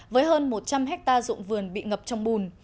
với hơn một trăm linh hectare dụng vườn bị ngập trong bùn